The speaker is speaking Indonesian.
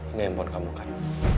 ini handphone kamu kak